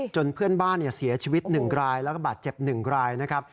จนเพื่อนบ้านเนี่ยเสียชีวิตหนึ่งรายแล้วก็บาดเจ็บหนึ่งรายนะครับ